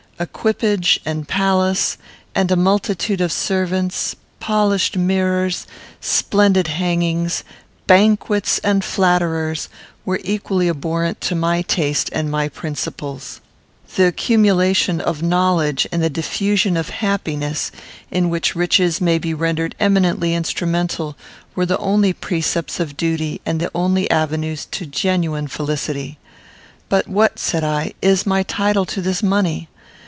Equipage, and palace, and a multitude of servants; polished mirrors, splendid hangings, banquets, and flatterers, were equally abhorrent to my taste and my principles. The accumulation of knowledge, and the diffusion of happiness, in which riches may be rendered eminently instrumental, were the only precepts of duty, and the only avenues to genuine felicity. "But what," said I, "is my title to this money?